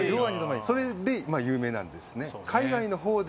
それで有名なんですね。